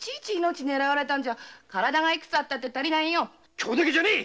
今日だけじゃねェ！